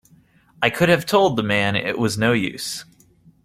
I could have told the man it was no use.